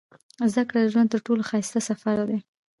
• زده کړه د ژوند تر ټولو ښایسته سفر دی.